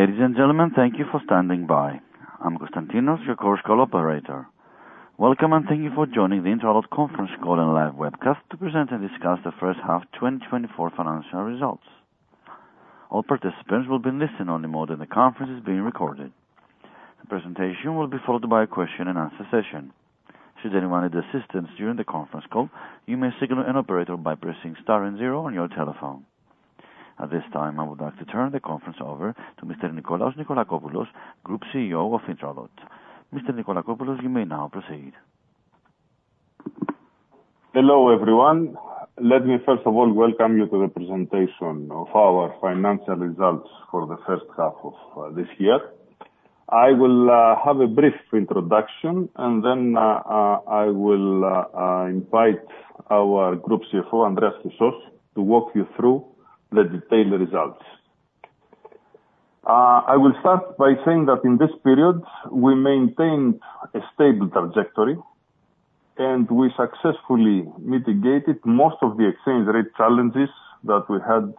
Ladies and gentlemen, thank you for standing by. I'm Constantinos, your call operator. Welcome, and thank you for joining the Intralot conference call and live webcast to present and discuss the first half of twenty twenty-four financial results. All participants will be in listen-only mode, and the conference is being recorded. The presentation will be followed by a question and answer session. Should anyone need assistance during the conference call, you may signal an operator by pressing star and zero on your telephone. At this time, I would like to turn the conference over to Mr. Nikolaos Nikolakopoulos, Group CEO of Intralot. Mr. Nikolakopoulos, you may now proceed. Hello, everyone. Let me first of all welcome you to the presentation of our financial results for the first half of this year. I will have a brief introduction, and then I will invite our Group CFO, Andreas Chrysos, to walk you through the detailed results. I will start by saying that in this period, we maintained a stable trajectory, and we successfully mitigated most of the exchange rate challenges that we had,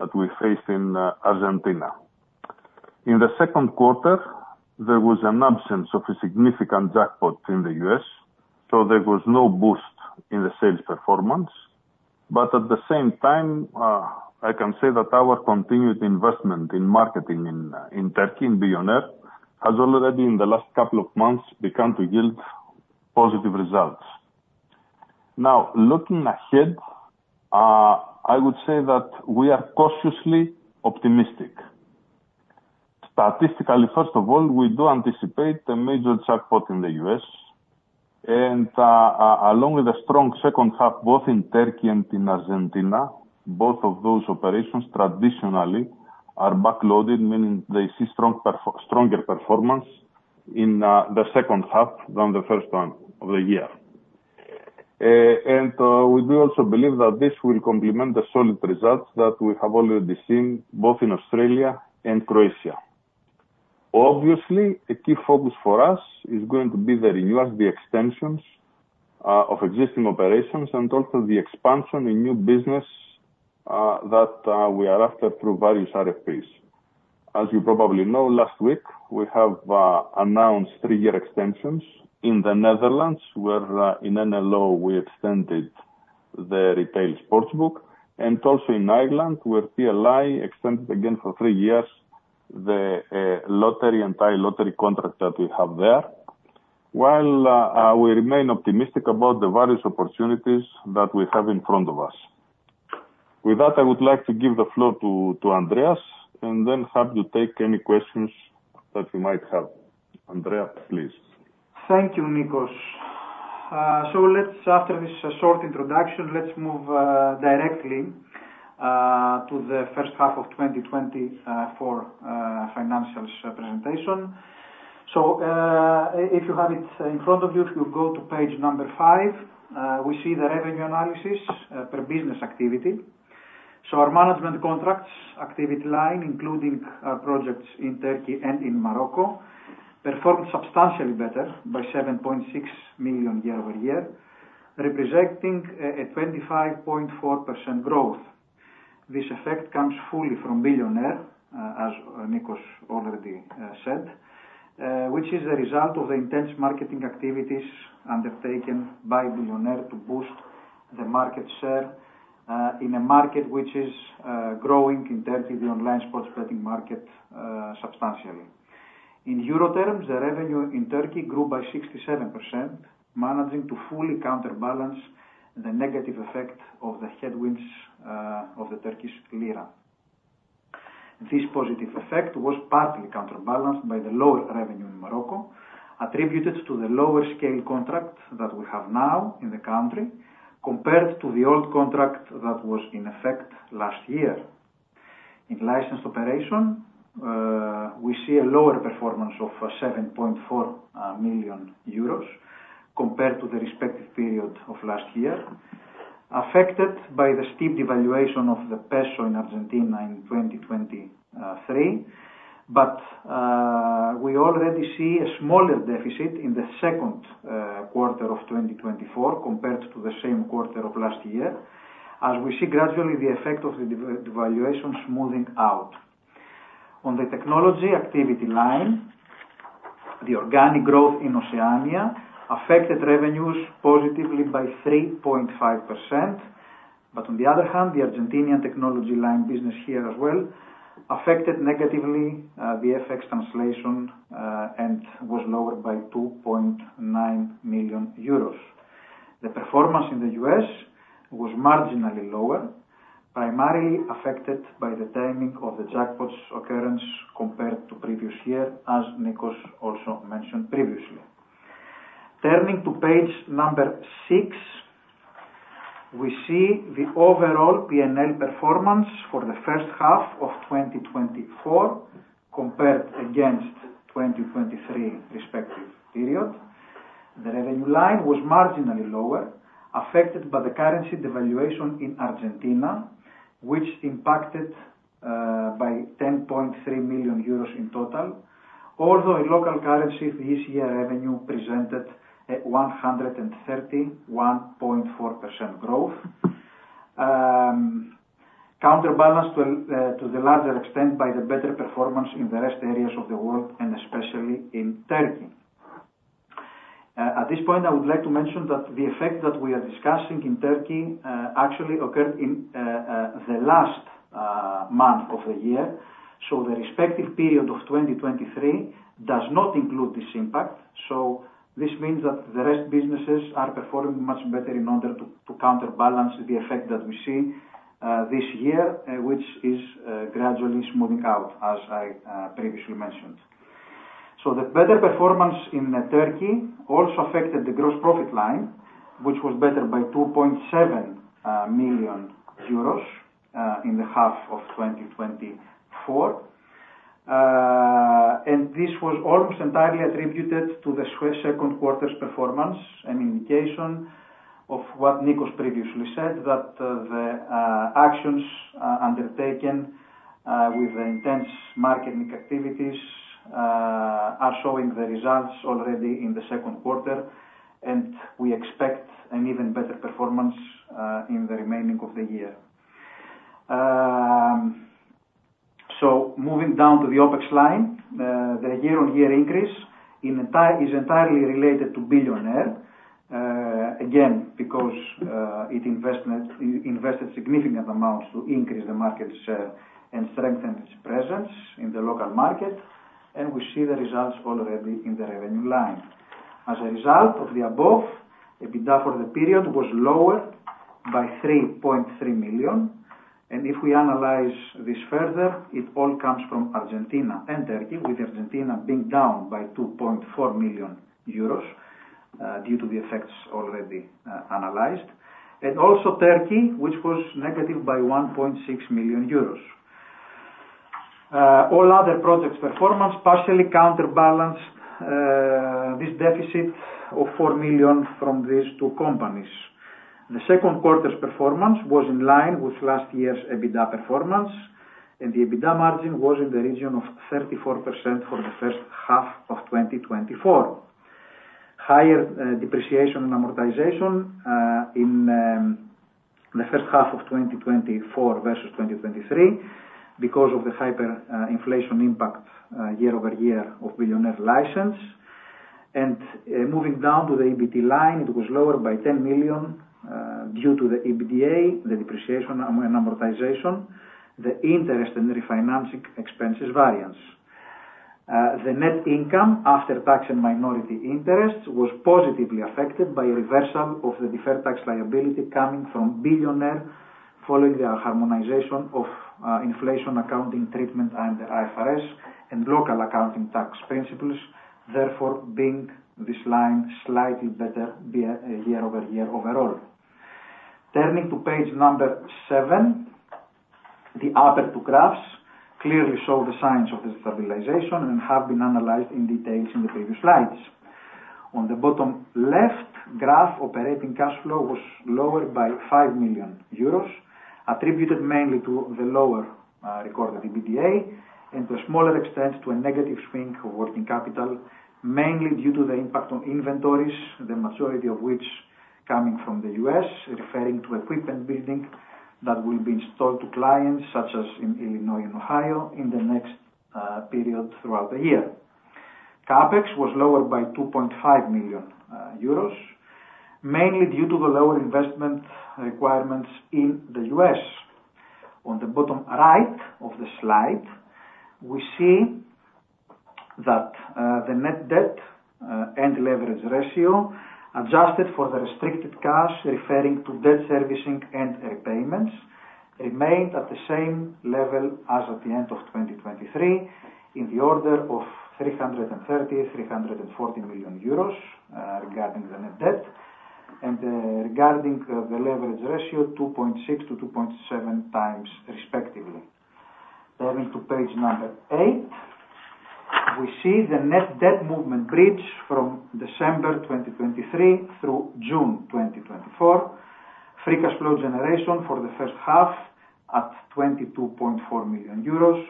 that we faced in Argentina. In the second quarter, there was an absence of a significant jackpot in the U.S., so there was no boost in the sales performance. But at the same time, I can say that our continued investment in marketing in Turkey, in Bilyoner, has already, in the last couple of months, begun to yield positive results. Now, looking ahead, I would say that we are cautiously optimistic. Statistically, first of all, we do anticipate a major jackpot in the U.S., and along with a strong second half, both in Turkey and in Argentina, both of those operations traditionally are backloaded, meaning they see stronger performance in the second half than the first half of the year, and we do also believe that this will complement the solid results that we have already seen, both in Australia and Croatia. Obviously, a key focus for us is going to be the renewals, the extensions of existing operations, and also the expansion in new business that we are after through various RFPs. As you probably know, last week we have announced three-year extensions in the Netherlands, where in NLO, we extended the retail sports book, and also in Ireland, where PLI extended again for three years, the entire lottery contract that we have there, while we remain optimistic about the various opportunities that we have in front of us. With that, I would like to give the floor to Andreas, and then have you take any questions that you might have. Andreas, please. Thank you, Nikos. So let's after this short introduction, let's move directly to the first half of 2024 financials presentation. So if you have it in front of you, if you go to page 5, we see the revenue analysis per business activity. So our management contracts activity line, including projects in Turkey and in Morocco, performed substantially better by 7.6 million year-over-year, representing a 25.4% growth. This effect comes fully from Bilyoner, as Nikos already said, which is a result of the intense marketing activities undertaken by Bilyoner to boost the market share in a market which is growing in Turkey, the online sports betting market substantially. In euro terms, the revenue in Turkey grew by 67%, managing to fully counterbalance the negative effect of the headwinds of the Turkish lira. This positive effect was partly counterbalanced by the lower revenue in Morocco, attributed to the lower scale contract that we have now in the country, compared to the old contract that was in effect last year. In licensed operation, we see a lower performance of 7.4 million euros compared to the respective period of last year, affected by the steep devaluation of the peso in Argentina in 2023. But we already see a smaller deficit in the second quarter of 2024, compared to the same quarter of last year, as we see gradually the effect of the devaluation smoothing out. On the technology activity line, the organic growth in Oceania affected revenues positively by 3.5%, but on the other hand, the Argentinian technology line business here as well affected negatively the FX translation and was lowered by 2.9 million euros. The performance in the U.S. was marginally lower, primarily affected by the timing of the jackpots occurrence compared to previous year, as Nikos also mentioned previously. Turning to page 6, we see the overall PNL performance for the first half of 2024, compared against 2023 respective period. The revenue line was marginally lower, affected by the currency devaluation in Argentina, which impacted by 10.3 million euros in total. Although in local currency, this year revenue presented a 131.4% growth. counterbalance to the larger extent by the better performance in the rest areas of the world, and especially in Turkey. At this point, I would like to mention that the effect that we are discussing in Turkey actually occurred in the last month of the year. The respective period of 2023 does not include this impact. This means that the rest businesses are performing much better in order to counterbalance the effect that we see this year, which is gradually smoothing out, as I previously mentioned. The better performance in Turkey also affected the gross profit line, which was better by 2.7 million euros in the half of 2024. And this was almost entirely attributed to the second quarter's performance, an indication of what Nikos previously said, that the actions undertaken with the intense marketing activities are showing the results already in the second quarter, and we expect an even better performance in the remaining of the year. So moving down to the OpEx line, the year-on-year increase is entirely related to Bilyoner. Again, because it invested significant amounts to increase the markets and strengthen its presence in the local market, and we see the results already in the revenue line. As a result of the above, EBITDA for the period was lower by 3.3 million, and if we analyze this further, it all comes from Argentina and Turkey, with Argentina being down by 2.4 million euros due to the effects already analyzed. And also Turkey, which was negative by 1.6 million euros. All other projects performance partially counterbalance this deficit of 4 million from these two companies. The second quarter's performance was in line with last year's EBITDA performance, and the EBITDA margin was in the region of 34% for the first half of 2024. Higher depreciation and amortization in the first half of 2024 versus 2023 because of the hyperinflation impact year-over-year of Bilyoner license. Moving down to the EBT line, it was lower by 10 million due to the EBITDA, the depreciation and amortization, the interest and refinancing expenses variance. The net income after tax and minority interests was positively affected by a reversal of the deferred tax liability coming from Bilyoner, following the harmonization of inflation accounting treatment and the IFRS and local accounting tax principles, therefore, being this line slightly better year-over-year overall. Turning to page number seven, the upper two graphs clearly show the signs of the stabilization and have been analyzed in details in the previous slides. On the bottom left graph, operating cash flow was lower by 5 million euros, attributed mainly to the lower recorded EBITDA, and to a smaller extent, to a negative swing of working capital, mainly due to the impact on inventories, the majority of which coming from the U.S., referring to equipment building that will be installed to clients such as in Illinois and Ohio in the next period throughout the year. CapEx was lower by 2.5 million euros, mainly due to the lower investment requirements in the U.S. On the bottom right of the slide, we see that the net debt and leverage ratio, adjusted for the restricted cash referring to debt servicing and repayments, remained at the same level as at the end of 2023, in the order of 330 million euros- EUR 340 million regarding the net debt. Regarding the leverage ratio, 2.6-2.7 times, respectively. Turning to page number 8, we see the net debt movement bridge from December 2023 through June 2024. Free cash flow generation for the first half at 22.4 million euros,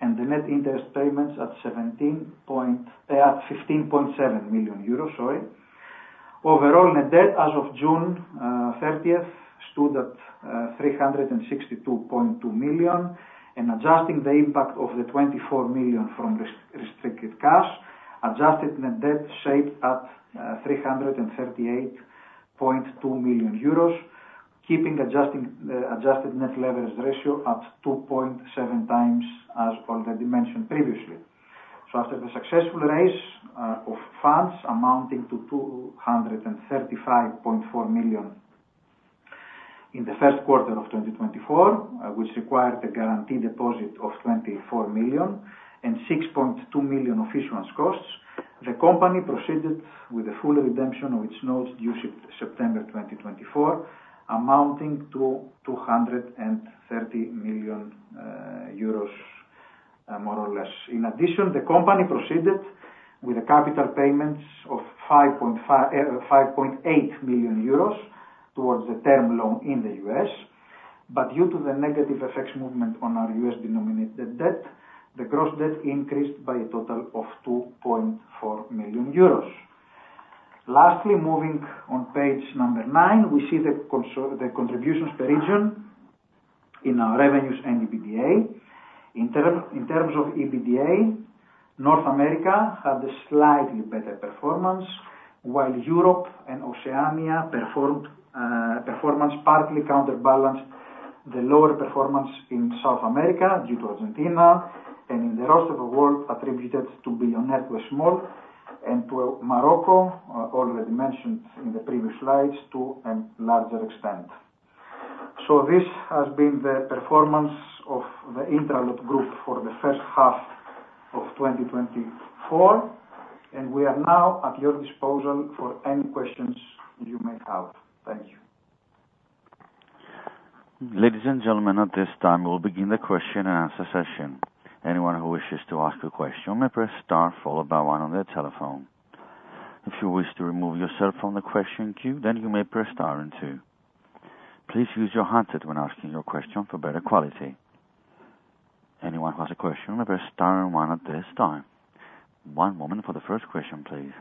and the net interest payments at 15.7 million euros, sorry. Overall, net debt as of June thirtieth stood at 362.2 million, and adjusting the impact of the 24 million from restricted cash, adjusted net debt stood at 338.2 million euros, keeping adjusted net leverage ratio at 2.7x, as already mentioned previously. So after the successful raise of funds amounting to 235.4 million in the first quarter of 2024, which required a guaranteed deposit of 24 million and 6.2 million of issuance costs, the company proceeded with the full redemption of its notes due September 2024, amounting to 230 million euros, more or less. In addition, the company proceeded with the capital payments of 5.8 million euros towards the term loan in the U.S.. But due to the negative FX movement on our U.S.-denominated debt, the gross debt increased by a total of 2.4 million euros.... lastly, moving on page number nine, we see the contributions per region in our revenues and EBITDA. In terms of EBITDA, North America had a slightly better performance, while Europe and Oceania performed performance partly counterbalance the lower performance in South America, due to Argentina, and in the rest of the world, attributed to Bilyoner was small, and to Morocco, already mentioned in the previous slides, to a larger extent. So this has been the performance of the Intralot group for the first half of twenty twenty-four, and we are now at your disposal for any questions you may have. Thank you. Ladies and gentlemen, at this time, we'll begin the question and answer session. Anyone who wishes to ask a question may press star followed by one on their telephone. If you wish to remove yourself from the question queue, then you may press star and two. Please use your headset when asking your question for better quality. Anyone who has a question may press star and one at this time. One moment for the first question, please.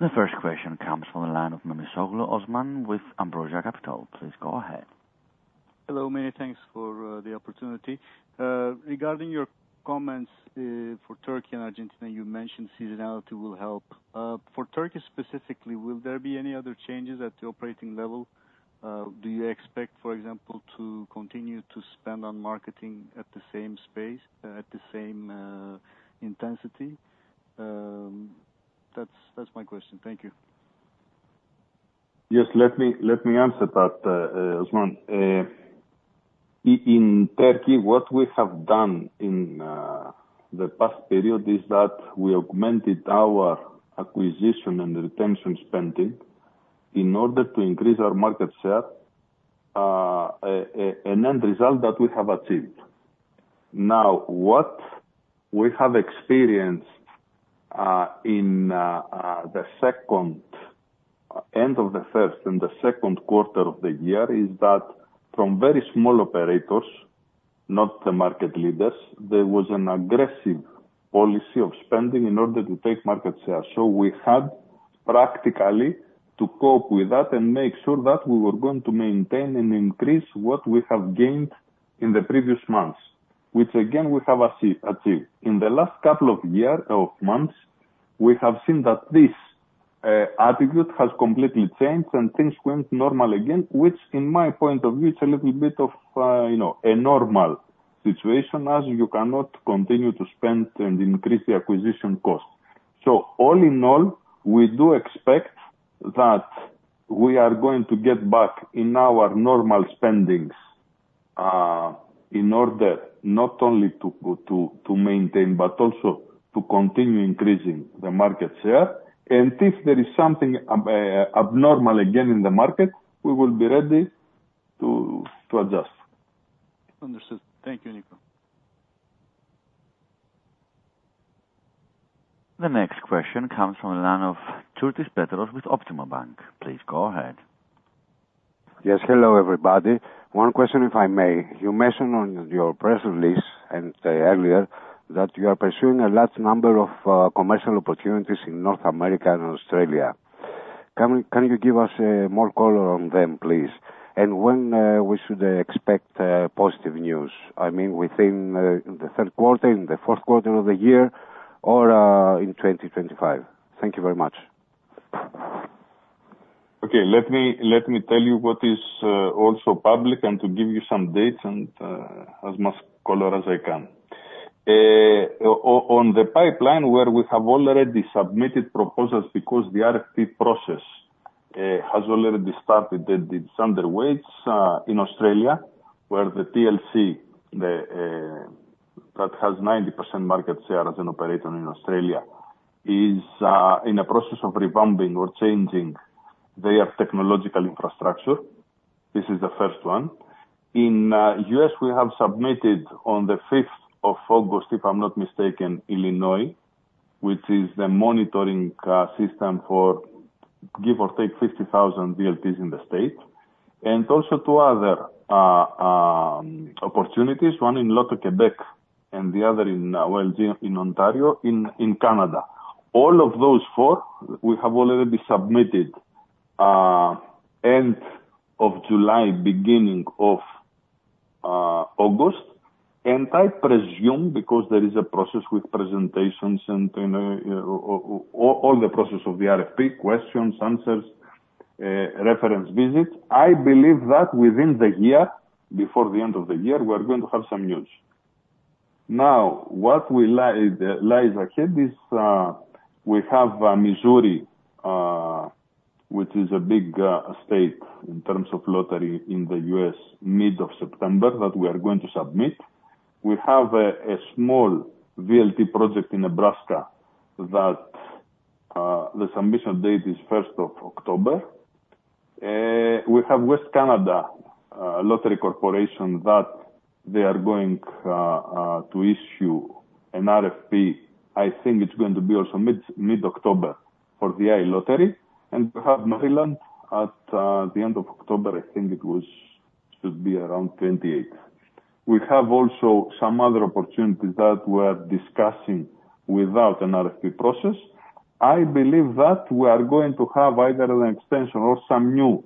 The first question comes from the line of Osman Memisoglu with Ambrosia Capital. Please go ahead. Hello, many thanks for the opportunity. Regarding your comments for Turkey and Argentina, you mentioned seasonality will help. For Turkey specifically, will there be any other changes at the operating level? Do you expect, for example, to continue to spend on marketing at the same pace, at the same intensity? That's my question. Thank you. Yes. Let me answer that, Osman. In Turkey, what we have done in the past period is that we augmented our acquisition and retention spending in order to increase our market share, an end result that we have achieved. Now, what we have experienced in the end of the first and the second quarter of the year is that from very small operators, not the market leaders, there was an aggressive policy of spending in order to take market share. So we had practically to cope with that and make sure that we were going to maintain and increase what we have gained in the previous months, which again, we have achieved. In the last couple of years or months, we have seen that this attitude has completely changed and things went normal again, which in my point of view, is a little bit of, you know, a normal situation as you cannot continue to spend and increase the acquisition cost. So all in all, we do expect that we are going to get back in our normal spending, in order not only to maintain, but also to continue increasing the market share, and if there is something abnormal again in the market, we will be ready to adjust. Understood. Thank you, Nikos. The next question comes from the line of Petros Tsourtis with Optima Bank. Please go ahead. Yes. Hello, everybody. One question, if I may. You mentioned on your press release and earlier, that you are pursuing a large number of commercial opportunities in North America and Australia. Can you give us more color on them, please? And when we should expect positive news, I mean, within the third quarter, in the fourth quarter of the year or in twenty twenty-five? Thank you very much. Okay. Let me tell you what is also public and to give you some dates and as much color as I can. On the pipeline, where we have already submitted proposals because the RFP process has already started and it's underway in Australia, where the TLC that has 90% market share as an operator in Australia is in a process of revamping or changing their technological infrastructure. This is the first one. In U.S., we have submitted on the fifth of August, if I'm not mistaken, Illinois, which is the monitoring system for give or take 50,000 VLTs in the state, and also two other opportunities, one in Loto-Québec and the other in, well, in Ontario, in Canada. All of those four, we have already submitted, end of July, beginning of August. And I presume, because there is a process with presentations and, you know, all the process of the RFP, questions, answers, reference visits, I believe that within the year, before the end of the year, we are going to have some news. Now, what lies ahead is, we have Missouri, which is a big state in terms of lottery in the U.S., mid of September, that we are going to submit. We have a small VLT project in Nebraska that the submission date is first of October. We have Western Canada Lottery Corporation, that they are going to issue-... An RFP, I think it's going to be also mid-October for the iLottery, and we have Maryland at the end of October, I think it was, should be around twenty-eighth. We have also some other opportunities that we're discussing without an RFP process. I believe that we are going to have either an extension or some new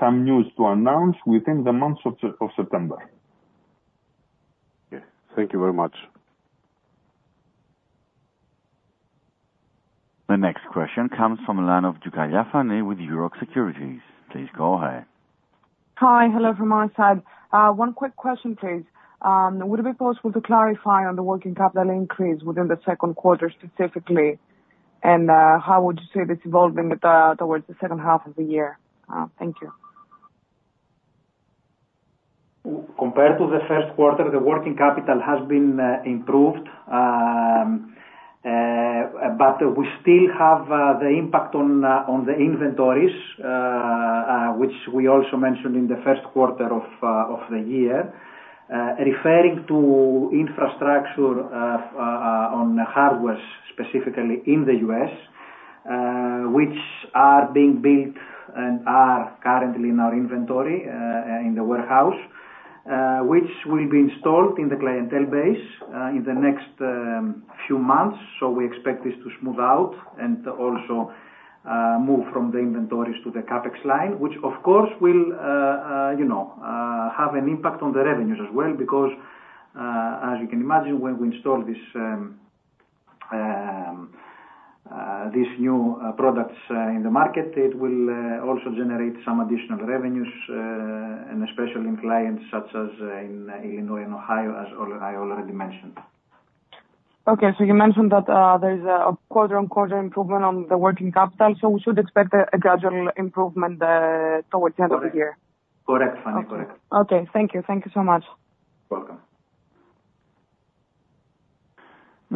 some news to announce within the month of September. Yeah. Thank you very much. The next question comes from the line of Fani Tzioukalia with Euroxx Securities. Please go ahead. Hi, hello from our side. One quick question, please. Would it be possible to clarify on the working capital increase within the second quarter specifically, and how would you say it's evolving with towards the second half of the year? Thank you. Compared to the first quarter, the working capital has been improved, but we still have the impact on the inventories, which we also mentioned in the first quarter of the year. Referring to infrastructure on hardware, specifically in the U.S., which are being built and are currently in our inventory in the warehouse, which will be installed in the clientele base in the next few months, so we expect this to smooth out and also move from the inventories to the CapEx line, which of course will, you know, have an impact on the revenues as well. Because, as you can imagine, when we install this, these new products, in the market, it will also generate some additional revenues, and especially in clients such as, in Illinois and Ohio, as I already mentioned. Okay. So you mentioned that, there's a quarter-on-quarter improvement on the working capital, so we should expect a gradual improvement, towards the end of the year? Correct, Fani. Correct. Okay. Thank you. Thank you so much. Welcome.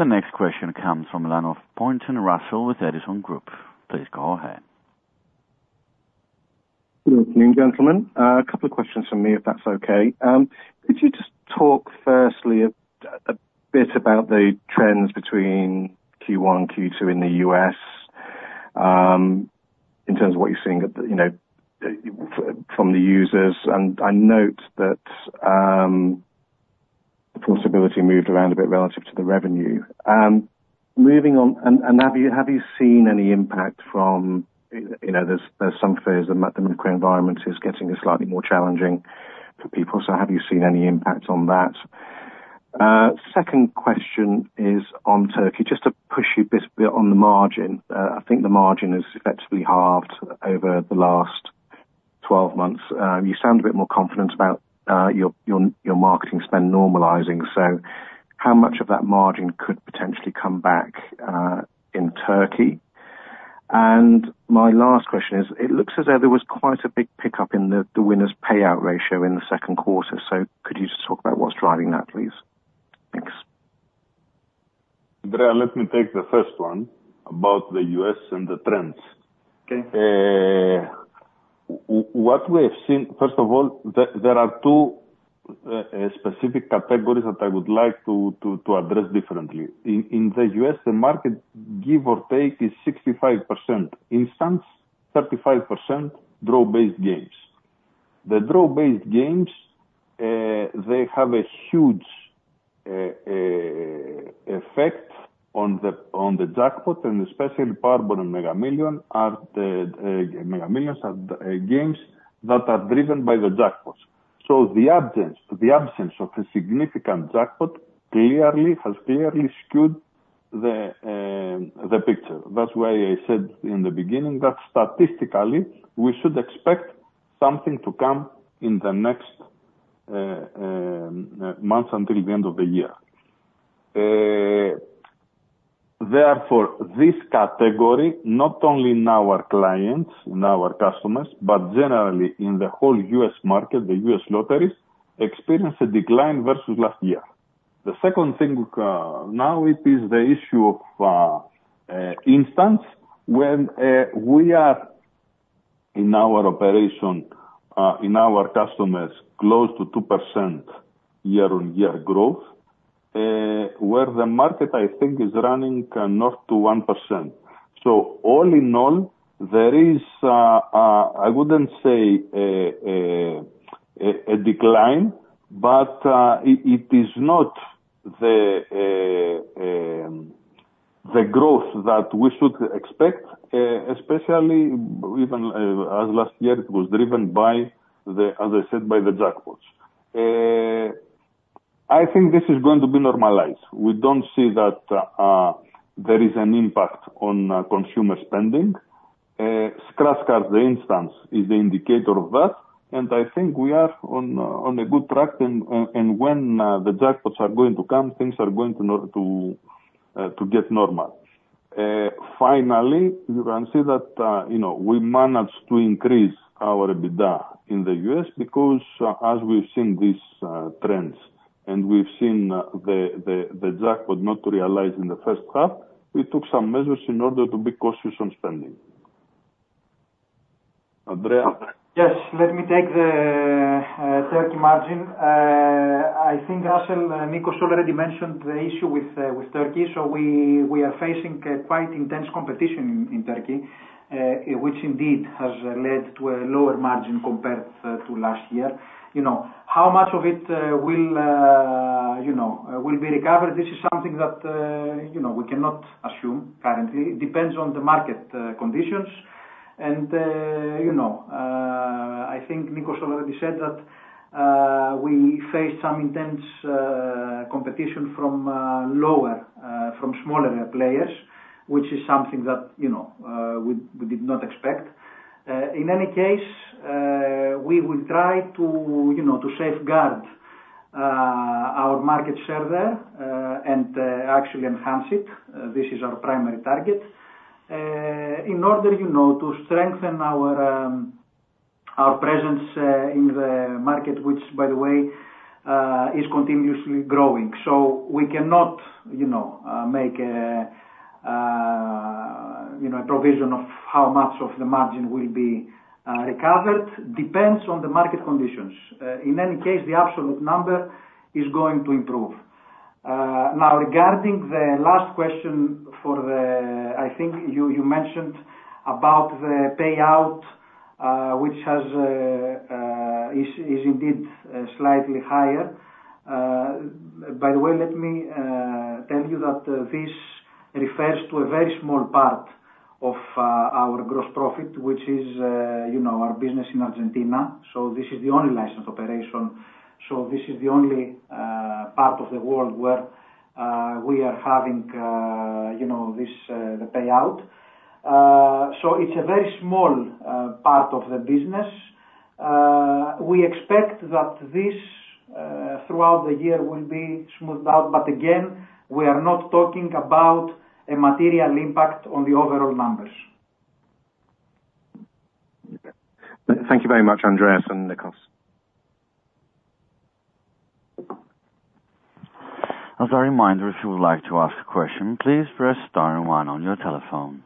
The next question comes from the line of Russell Pointon with Edison Group. Please go ahead. Good evening, gentlemen. A couple of questions from me, if that's okay. Could you just talk firstly a bit about the trends between Q1 and Q2 in the U.S., in terms of what you're seeing at the, you know, from the users? And I note that, profitability moved around a bit relative to the revenue. Moving on, and have you seen any impact from, you know, there's some fears that the macro environment is getting slightly more challenging for people, so have you seen any impact on that? Second question is on Turkey, just to push you a bit on the margin. I think the margin has effectively halved over the last twelve months. You sound a bit more confident about, your marketing spend normalizing. So how much of that margin could potentially come back in Turkey? And my last question is, it looks as though there was quite a big pickup in the winners payout ratio in the second quarter. So could you just talk about what's driving that, please? Thanks. Andrea, let me take the first one about the U.S. and the trends. Okay. What we have seen, first of all, there are two specific categories that I would like to address differently. In the U.S., the market, give or take, is 65% instants, 35% draw-based games. The draw-based games, they have a huge effect on the jackpot, and especially Powerball and Mega Millions are games that are driven by the jackpots. So the absence of a significant jackpot clearly has skewed the picture. That's why I said in the beginning that statistically, we should expect something to come in the next months until the end of the year. Therefore, this category, not only in our clients, in our customers, but generally in the whole U.S. market, the U.S. lotteries, experienced a decline versus last year. The second thing, now it is the issue of instants, when we are in our operation, in our customers, close to 2% year-on-year growth, where the market, I think, is running north of 1%, so all in all, there is, I wouldn't say a decline, but it is not the growth that we should expect, especially even as last year it was driven by the, as I said, by the jackpots. I think this is going to be normalized. We don't see that there is an impact on consumer spending. Scratch card instants is the indicator of that, and I think we are on a good track, and when the jackpots are going to come, things are going to get normal. Finally, you can see that, you know, we managed to increase our EBITDA in the U.S. because, as we've seen these trends, and we've seen the jackpot not realize in the first half, we took some measures in order to be cautious on spending.... Yes, let me take the Turkey margin. I think Russell and Nikos already mentioned the issue with Turkey. So we are facing a quite intense competition in Turkey, which indeed has led to a lower margin compared to last year. You know, how much of it will be recovered? This is something that we cannot assume currently. It depends on the market conditions. And I think Nikos already said that we face some intense competition from smaller players, which is something that we did not expect. In any case, we will try to safeguard our market share there and actually enhance it. This is our primary target. In order, you know, to strengthen our presence in the market, which, by the way, is continuously growing, so we cannot, you know, make you know a provision of how much of the margin will be recovered. Depends on the market conditions. In any case, the absolute number is going to improve. Now, regarding the last question, I think you mentioned about the payout, which is indeed slightly higher. By the way, let me tell you that this refers to a very small part of our gross profit, which is, you know, our business in Argentina, so this is the only licensed operation. So this is the only part of the world where we are having, you know, this, the payout. So it's a very small part of the business. We expect that this throughout the year will be smoothed out. But again, we are not talking about a material impact on the overall numbers. Thank you very much, Andreas and Nikos. As a reminder, if you would like to ask a question, please press star and one on your telephone.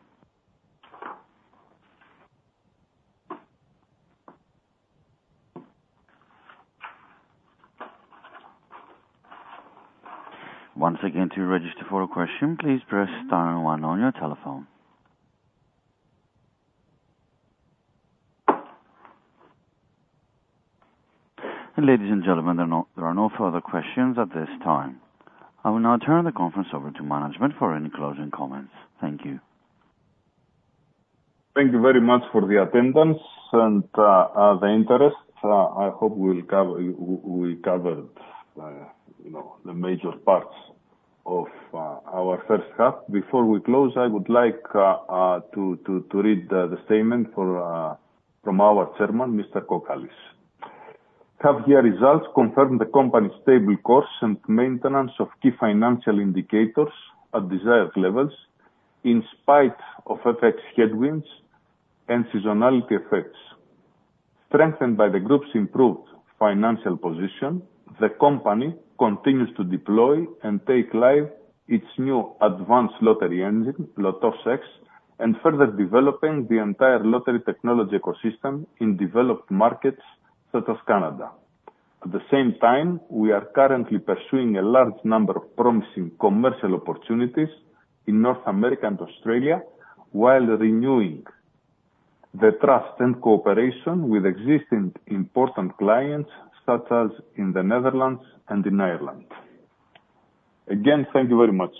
Once again, to register for a question, please press star and one on your telephone. And ladies and gentlemen, there are no further questions at this time. I will now turn the conference over to management for any closing comments. Thank you. Thank you very much for the attendance and the interest. I hope we'll cover, we covered, you know, the major parts of our first half. Before we close, I would like to read the statement from our chairman, Mr. Kokkalis. "Half-year results confirm the company's stable course and maintenance of key financial indicators at desired levels, in spite of FX headwinds and seasonality effects. Strengthened by the group's improved financial position, the company continues to deploy and take live its new advanced lottery engine, LotosX, and further developing the entire lottery technology ecosystem in developed markets such as Canada. At the same time, we are currently pursuing a large number of promising commercial opportunities in North America and Australia, while renewing the trust and cooperation with existing important clients, such as in the Netherlands and in Ireland. Again, thank you very much.